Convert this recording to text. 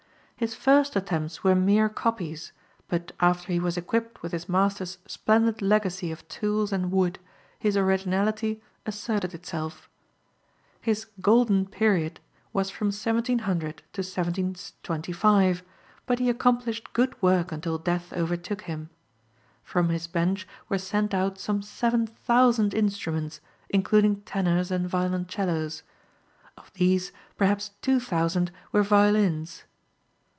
His first attempts were mere copies, but after he was equipped with his master's splendid legacy of tools and wood, his originality asserted itself. His "Golden" period was from 1700 to 1725, but he accomplished good work until death overtook him. From his bench were sent out some seven thousand instruments, including tenors and violoncellos. Of these perhaps two thousand were violins.